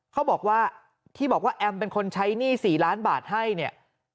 เขาบอกว่าที่บอกว่าแอมเป็นคนใช้หนี้๔ล้านบาทให้เนี่ย